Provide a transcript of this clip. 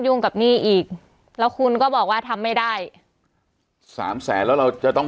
ยุ่งกับนี่อีกแล้วคุณก็บอกว่าทำไม่ได้๓๐๐แล้วเราจะต้อง